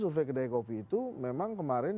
survei kedai kopi itu memang kemarin